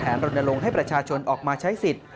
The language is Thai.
แผนละลงให้ประชาชนออกมาใช้สิทธิ์